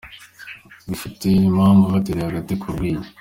Bafite impamvu batereye agate mu ryinyo….